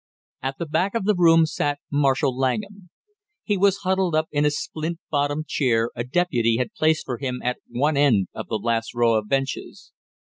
At the back of the room sat Marshall Langham. He was huddled up in a splint bottomed chair a deputy had placed for him at one end of the last row of benches.